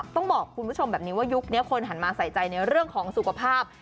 ต้องบอกคุณผู้ชมแบบนี้ว่ายุคนี้คนหันมาใส่ใจในเรื่องของสุขภาพ